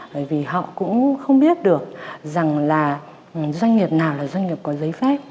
bởi vì họ cũng không biết được rằng là doanh nghiệp nào là doanh nghiệp có giấy phép